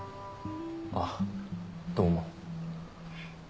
あどうも。